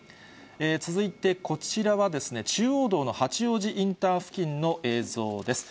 続いてこちらは、中央道の八王子インター付近の映像です。